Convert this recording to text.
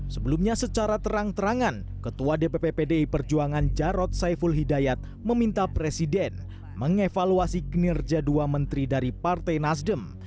sebelumnya secara terang terangan ketua dpp pdi perjuangan jarod saiful hidayat meminta presiden mengevaluasi kinerja dua menteri dari partai nasdem